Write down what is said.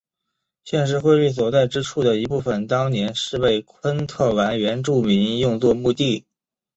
现时惠利所在之处的一部分当年是被昆特兰原住民用作墓地。